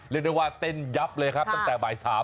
เรียกได้ว่าเต้นยับเลยครับตั้งแต่บ่าย๓